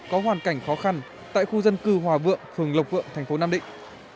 có hoàn cảnh khó khăn tại khu dân cư hòa vượng phường lộc vượng thành phố nam định